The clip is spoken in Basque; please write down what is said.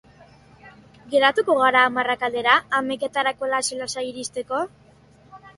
Geratuko gara hamarrak aldera, hamaiketarako lasai-lasai iristeko?